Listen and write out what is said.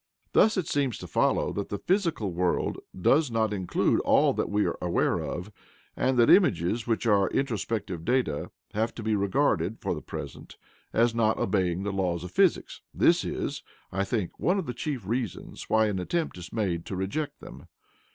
Thus it seems to follow that the physical world does not include all that we are aware of, and that images, which are introspective data, have to be regarded, for the present, as not obeying the laws of physics; this is, I think, one of the chief reasons why an attempt is made to reject them.